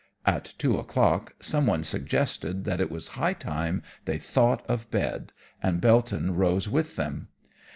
At two o'clock someone suggested that it was high time they thought of bed, and Belton rose with them.